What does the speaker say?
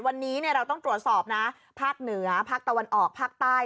วันนี้เราต้องตรวจสอบนะภาคเหนือภาคตะวันออกภาคใต้